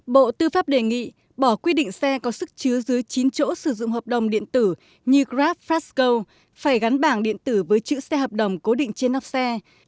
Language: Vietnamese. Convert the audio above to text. bộ tư pháp đề nghị bỏ quy định xe có sức chứa dưới chín chỗ sử dụng hợp đồng điện tử như grab frasco phải gắn bảng điện tử với chữ xe hợp đồng cố định trên nắp xe